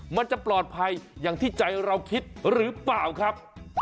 มันจะปลอดภัยอย่างที่ใจเราคิดหรือเปล่าครับ